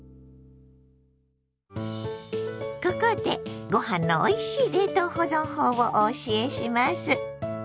ここでご飯のおいしい冷凍保存法をお教えします。